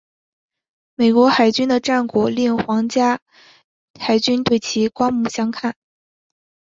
美国海军的战果令皇家海军对其刮目相看。